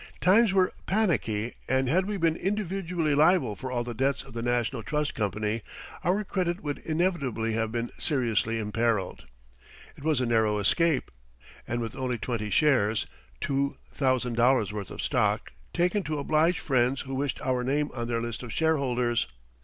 Times were panicky, and had we been individually liable for all the debts of the National Trust Company our credit would inevitably have been seriously imperiled. It was a narrow escape. And with only twenty shares (two thousand dollars' worth of stock), taken to oblige friends who wished our name on their list of shareholders!